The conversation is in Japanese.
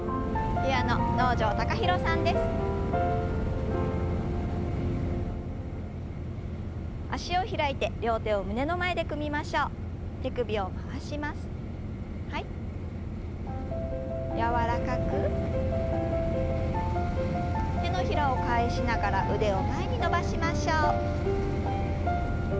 手のひらを返しながら腕を前に伸ばしましょう。